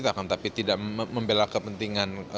akan tapi tidak membela kepentingan